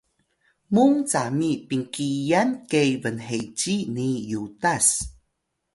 mung cami pinqiyan ke bnheci ni yutas